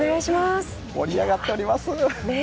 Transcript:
盛り上がっております。